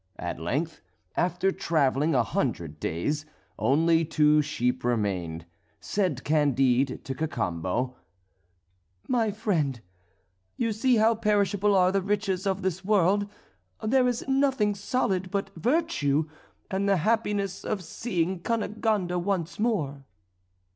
At length, after travelling a hundred days, only two sheep remained. Said Candide to Cacambo: "My friend, you see how perishable are the riches of this world; there is nothing solid but virtue, and the happiness of seeing Cunegonde once more."